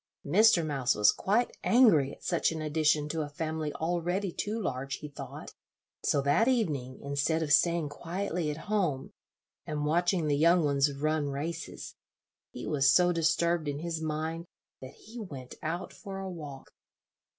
Mr. Mouse was quite angry at such an addition to a family already too large, he thought; so that evening, instead of staying quietly at home, and watching the young ones run races, he was so disturbed in his mind that he went out for a walk.